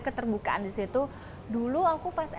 keterbukaan di situ dulu aku pas